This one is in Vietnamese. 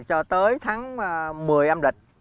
cho tới tháng một mươi âm lịch